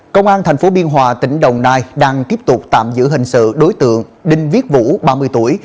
công an tp biên hòa tỉnh đồng nai đang tiếp tục tạm giữ hình sự đối tượng đinh viết vũ ba mươi tuổi